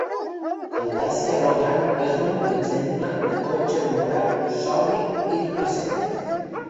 El Dacia Logan és un exemple de cotxe europeu sobri i recent.